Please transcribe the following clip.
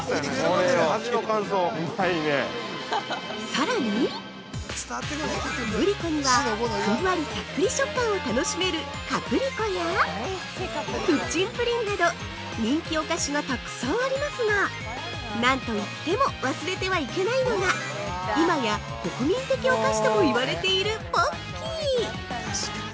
◆さらにグリコには、ふんわりさっくり食感を楽しめるカプリコやプッチンプリンなど人気お菓子がたくさんありますが何といっても忘れてはいけないのが今や国民的お菓子ともいわれているポッキー。